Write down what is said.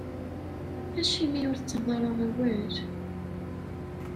Acimi ur tettaɣeḍ ara awal?